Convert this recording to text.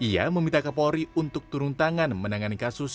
ia meminta kapolri untuk turun tangan menangani kasus